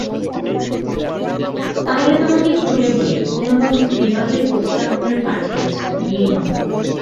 তা হলে তোমাকে খুলে বলি– পূর্ণবাবু বিবাহের প্রস্তাব করে পাঠিয়েছেন– নির্মলা।